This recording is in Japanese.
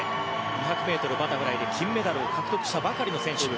２００ｍバタフライで金メダルを獲得したばかりの選手。